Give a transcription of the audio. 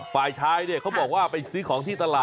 ฝ่ายชายเนี่ยเขาบอกว่าไปซื้อของที่ตลาด